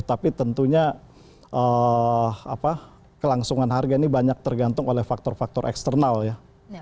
tapi tentunya kelangsungan harga ini banyak tergantung oleh faktor faktor eksternal ya